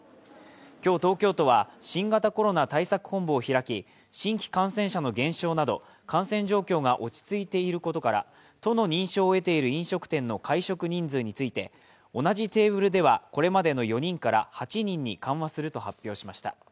今日、東京都は新型コロナ対策本部を開き新規感染者の減少など感染状況が落ち着いていることから都の認証を得ている飲食店の会食人数について同じテーブルではこれまでの４人から８人に緩和すると発表しました。